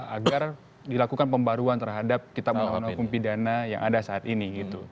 agar dilakukan pembaruan terhadap kita melawan hukum pidana yang ada saat ini